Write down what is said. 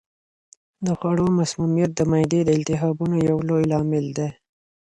د خوړو مسمومیت د معدې د التهابونو یو لوی لامل دی.